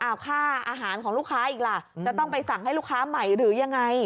เอาค่าอาหารของลูกค้าอีกล่ะจะต้องไปสั่งให้ลูกค้าใหม่หรือยังไง